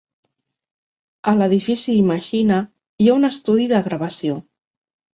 A l'Edifici Imagina hi ha un estudi de gravació.